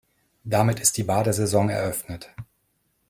Damit ist die Badesaison eröffnet.